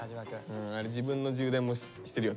あれ自分の充電もしてるよ